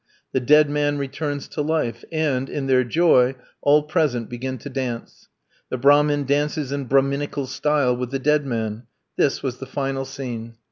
The dead man returns to life, and, in their joy, all present begin to dance. The Brahmin dances in Brahminical style with the dead man. This was the final scene.